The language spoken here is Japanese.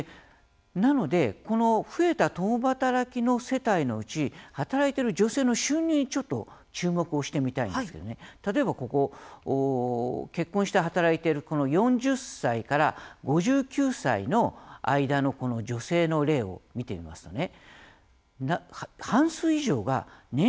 なのでこの増えた共働きの世帯のうち働いている女性の収入にちょっと注目をしてみたいんですけど例えばここ、結婚して働いているこの４０歳から５９歳の間の女性の例を見てみますとね半数以上が年収僅か１００万円未満なんです。